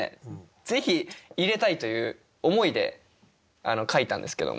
ぜひ入れたいという思いで書いたんですけども。